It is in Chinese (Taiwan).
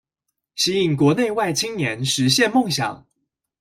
吸引國內外青年實現夢想